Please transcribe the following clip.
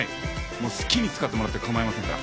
もう好きに使ってもらって構いませんから。